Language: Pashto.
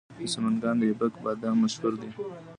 د سمنګان د ایبک بادام مشهور دي.